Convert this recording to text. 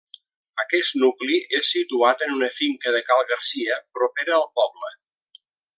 Aquest nucli és situat en una finca de Cal Garcia propera al poble.